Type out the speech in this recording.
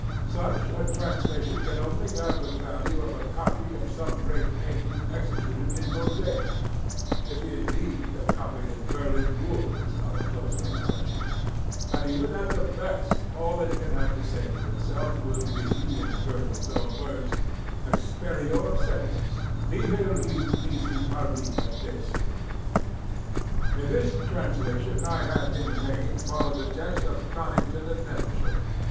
Such a translation can only have the value of a copy of some great painting executed in mosaic, if indeed a copy in Berlin wool is not a closer analogy; and even at the best all it can have to say for itself will be in Virgil's own words, Experiar sensus; nihil hic nisi carmina desunt. In this translation I have in the main followed the text of Conington and Nettleship.